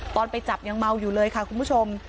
ไปจับยังเมาอยู่เลยค่ะคุณผู้ชม